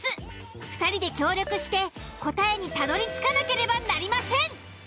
２人で協力して答えにたどりつかなければなりません。